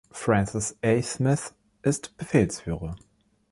Francis A. Smith ist Befehlsführer.